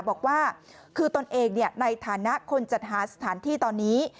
บอกว่าคือตนเองในฐานะคนจัดหาสถานที่ตอนนี้